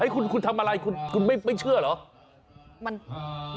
คุณทำอะไรคุณไม่เชื่อเหรอ